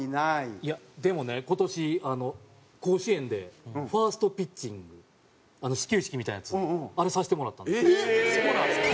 いやでもね今年甲子園でファーストピッチングあの始球式みたいなやつあれさせてもらったんですよ。